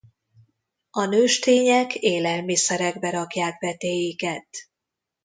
A nőstények élelmiszerekbe rakják petéiket.